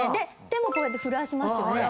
手もこうやって震わしますよね。